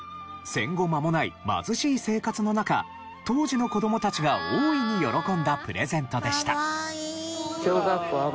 戦後間もない貧しい生活の中当時の子供たちが大いに喜んだプレゼントでした。